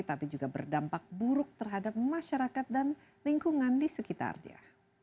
tapi juga berdampak buruk terhadap masyarakat dan lingkungan di sekitar dia